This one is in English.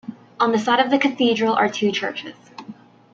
On the side of the cathedral are two churches.